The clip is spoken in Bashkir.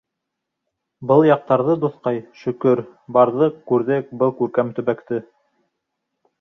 Был яҡтарҙы, дуҫҡай, Шөкөр, барҙыҡ, күрҙек был күркәм төбәкте.